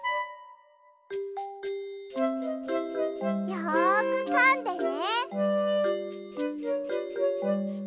よくかんでね。